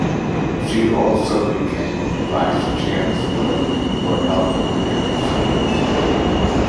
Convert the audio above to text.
She also became the vice chancellor for health affairs.